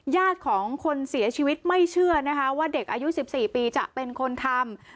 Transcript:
ญาติของคนเสียชีวิตไม่เชื่อนะคะว่าเด็กอายุ๑๔ปีจะเป็นคนทำ